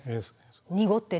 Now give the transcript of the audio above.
濁ってね。